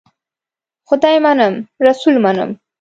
خدای منم ، رسول منم .